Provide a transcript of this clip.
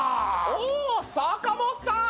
お坂本さん。